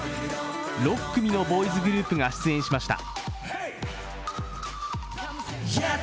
６組のボーイズグループが出演しました。